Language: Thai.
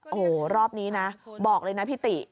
โอ้โหรอบนี้นะบอกเลยนะพี่ติ